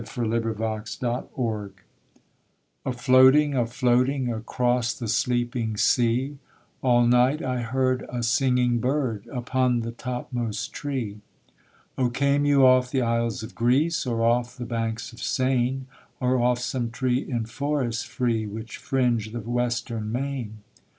THE NIGHT BIRD: A MYTH A floating, a floating Across the sleeping sea, All night I heard a singing bird Upon the topmost tree. 'Oh came you off the isles of Greece, Or off the banks of Seine; Or off some tree in forests free, Which fringe the western main?'